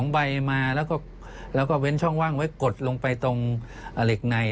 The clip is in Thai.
ใบมาแล้วก็เว้นช่องว่างไว้กดลงไปตรงเหล็กใน